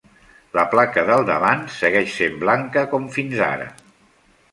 La placa del davant segueix sent blanca com fins ara.